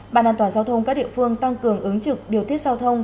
bàn an toàn giao thông các địa phương tăng cường ứng trực điều tiết giao thông